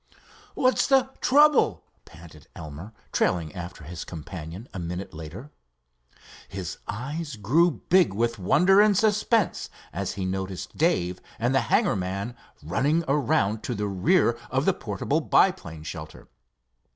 "What's the trouble?" panted Elmer, trailing after his companion a minute later. His eyes grew big with wonder and suspense as he noticed Dave and the hangar man running around to the rear of the portable biplane shelter.